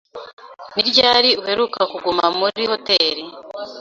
Ni ryari uheruka kuguma muri hoteri?